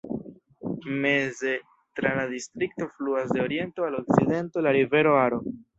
Meze tra la distrikto fluas de oriento al okcidento la rivero Aro.